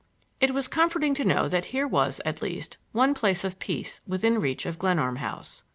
It was comforting to know that here was, at least, one place of peace within reach of Glenarm House.